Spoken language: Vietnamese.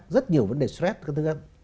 rất nhiều vấn đề stress